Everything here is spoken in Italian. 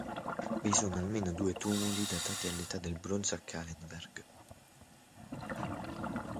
Vi sono almeno due tumuli datati all'età del bronzo a Calenberg.